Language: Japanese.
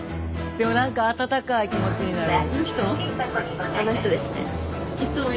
でも何か温かい気持ちになる。